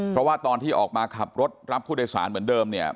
เพราะว่าตอนที่ออกมาขับรถรับผู้โดยสารเหมือนเดิมเนี่ย